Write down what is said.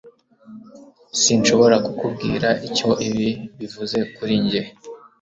Sinshobora kukubwira icyo ibi bivuze kuri njye